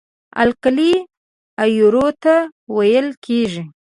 القلي ایرو ته ویل کیږي.